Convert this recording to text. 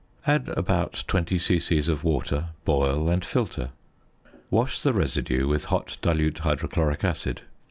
Add about 20 c.c. of water, boil, and filter. Wash the residue with hot dilute hydrochloric acid.